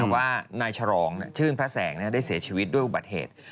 ว่านายฉรองชื่นพระแสงได้เสียชีวิตด้วยอุบัติเหตุ